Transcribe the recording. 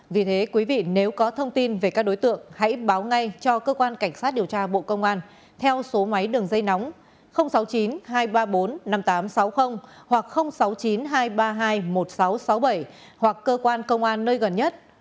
vì thế quý vị nếu có thông tin về các đối tượng hãy báo ngay cho cơ quan cảnh sát điều tra bộ công an theo số máy đường dây nóng sáu mươi chín hai trăm ba mươi bốn năm nghìn tám trăm sáu mươi hoặc sáu mươi chín hai trăm ba mươi hai một nghìn sáu trăm sáu mươi bảy hoặc cơ quan công an nơi gần nhất